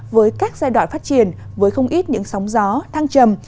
với các giai đoạn phát triển với không ít những sóng gió thăng trầm